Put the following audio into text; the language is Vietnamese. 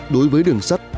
đối với đường sắt